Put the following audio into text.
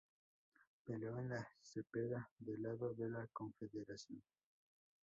Peleó en la Cepeda del lado de la Confederación.